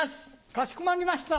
かしこまりました。